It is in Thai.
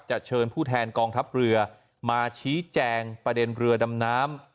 เชิญผู้แทนกองทัพเรือมาชี้แจงประเด็นเรือดำน้ำ